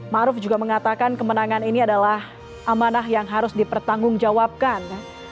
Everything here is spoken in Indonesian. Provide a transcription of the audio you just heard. maruf juga mengatakan kemenangan ini adalah amanah yang harus dipertanggungjawabkan